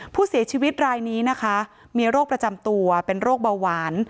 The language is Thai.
ผู้เสียชีวิตรายนี้นะคะมีโรคประจำตัวเป็นโรคเบาหวาน